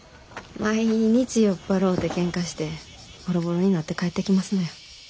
毎日酔っ払うてケンカしてボロボロになって帰ってきますのや。